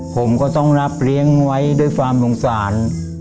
ผมก็ต้องรับเลี้ยงไว้ด้วยความสงสาร